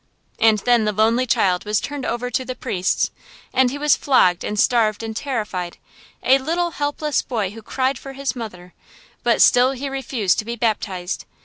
And then the lonely child was turned over to the priests, and he was flogged and starved and terrified a little helpless boy who cried for his mother; but still he refused to be baptized.